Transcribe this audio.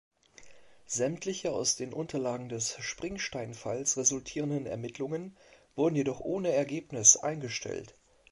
Sämtliche aus den Unterlagen des Springstein-Falls resultierenden Ermittlungen wurden jedoch ohne Ergebnis eingestellt.